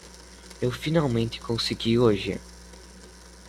Eu finalmente consegui hoje.